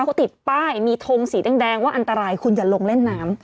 เขาติดป้ายมีทงสีแดงว่าอันตรายคุณอย่าลงเล่นน้ำ